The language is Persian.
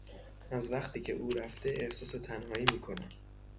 از وقتی که او رفته احساس تنهایی میکنم.